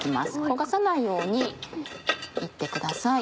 焦がさないように炒ってください。